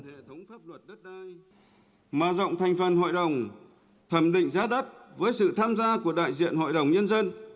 mà rộng thành phần hội đồng thẩm định giá đất với sự tham gia của đại diện hội đồng nhân dân